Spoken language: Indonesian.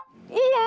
oh itu sekarang